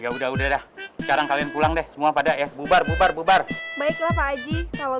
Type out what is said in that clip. udah udah udah sekarang kalian pulang deh semua pada ya bubar bubar bubar baiklah pak haji kalau